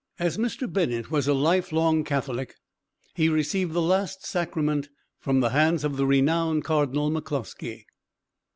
As Mr. Bennett was a life long Catholic, he received the last sacrament from the hands of the renowned Cardinal McClosky.